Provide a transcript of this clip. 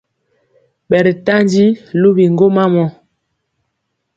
Ɓɛri ntandi luwi ŋgwoma mɔ.